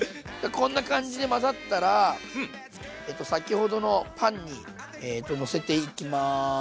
こんな感じで混ざったら先ほどのパンにのせていきます。